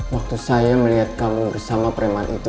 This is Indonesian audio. waktu saya melihat kamu bersama preman itu